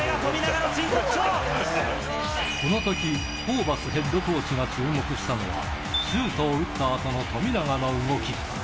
このとき、ホーバスヘッドコーチが注目したのは、シュートを打ったあとの富永の動き。